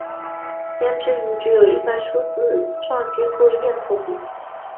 胭脂鱼只有一排梳子状结构的咽头齿。